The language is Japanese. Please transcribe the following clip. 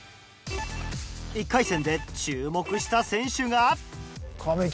１回戦で注目した選手が。